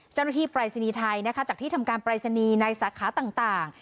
ปรายศนีย์ไทยนะคะจากที่ทำการปรายศนีย์ในสาขาต่าง